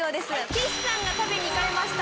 岸さんが食べに行かれました